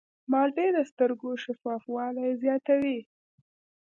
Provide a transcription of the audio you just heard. مالټې د سترګو شفافوالی زیاتوي.